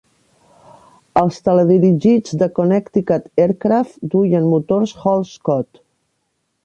Els teledirigits de Connecticut Aircraft duien motors Hall-Scott.